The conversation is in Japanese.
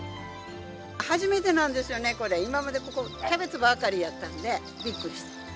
初めてなんですよね、これ、今までここ、キャベツばっかりだったんで、びっくりした。